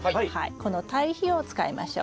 この堆肥を使いましょう。